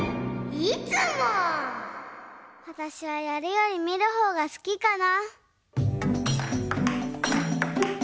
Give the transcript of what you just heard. わたしはやるよりみるほうがすきかな。